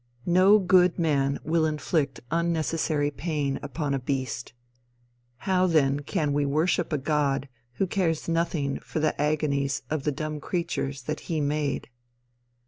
No good man will inflict unnecessary pain upon a beast; how then can we worship a god who cares nothing for the agonies of the dumb creatures that he made?